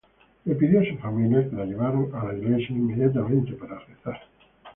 Le pidió a su familia que la llevaran a la iglesia inmediatamente para rezar.